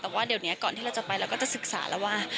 แต่ว่าเดี๋ยวนี้ก่อนที่เราจะไปเราก็จะศึกษาแล้วว่า